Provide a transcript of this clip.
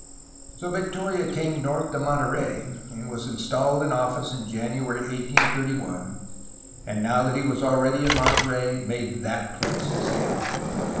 So Victoria came north to Monterey, was installed in office in January 1831, and now that he was already in Monterey made that place his capital.